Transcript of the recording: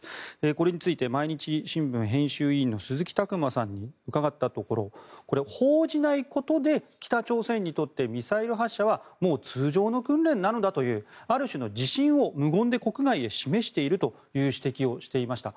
これについて毎日新聞編集委員の鈴木琢磨さんに伺ったところこれ、報じないことで北朝鮮にとってミサイル発射はもう通常の訓練なのだというある種の自信を無言で国外へ示しているという指摘をしていました。